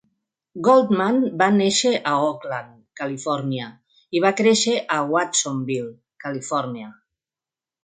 Goldman va néixer a Oakland, Califòrnia, i va créixer a Watsonvill, Califòrnia.